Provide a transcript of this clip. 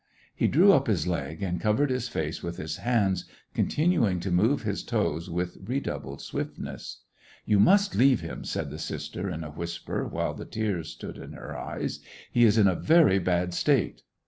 He drew up his leg, and covered his face with his hands, continuing to move his toes with re doubled swiftness. "You must leave him," said the sister, in a whisper, while the tears stood in her eyes ;" he is in a very bad state."